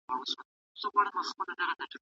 د ماریوس نیکه یو سختګیر سړی و.